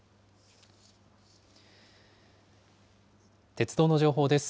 鉄道の情報です。